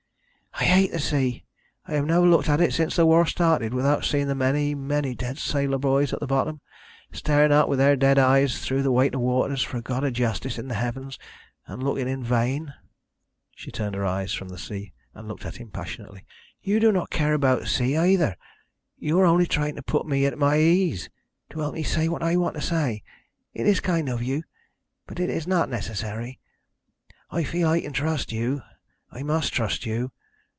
"I hate the sea! I have never looked at it since the war started without seeing the many, many dead sailor boys at the bottom, staring up with their dead eyes through the weight of waters for a God of Justice in the heavens, and looking in vain." She turned her eyes from the sea, and looked at him passionately. "You do not care about the sea, either. You are only trying to put me at my ease to help me say what I want to say. It is kind of you, but it is not necessary. I feel I can trust you I must trust you.